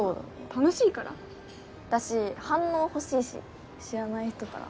楽しいから？だし反応欲しいし知らない人から。